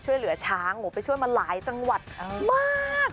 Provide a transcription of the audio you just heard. ช่วยเหลือช้างหมูไปช่วยมาหลายจังหวัดมาก